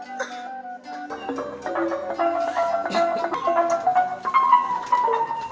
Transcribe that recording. kami juga menyediakan kojok kojok baca di pos kamling